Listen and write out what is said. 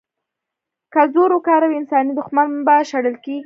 که زور وکاروي، انساني دوښمن به شړل کېږي.